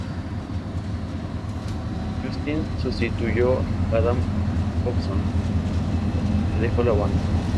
Justin sustituyó a Adam Jacobson, que dejó la banda.